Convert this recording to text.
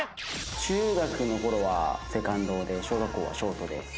中学の頃はセカンドで小学校はショートで。